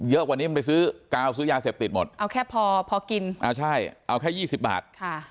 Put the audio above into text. กว่านี้มันไปซื้อกาวซื้อยาเสพติดหมดเอาแค่พอพอกินอ่าใช่เอาแค่๒๐บาทค่ะ